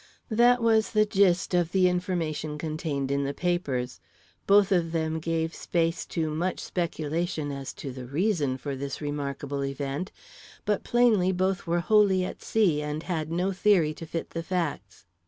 That was the gist of the information contained in the papers. Both of them gave space to much speculation as to the reason for this remarkable event, but plainly both were wholly at sea and had no theory to fit the facts.